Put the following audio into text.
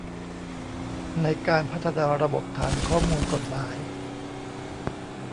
ในการพัฒนาระบบฐานข้อมูลกฎหมาย